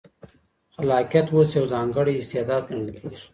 خلاقیت اوس یو ځانګړی استعداد ګڼل کېږي.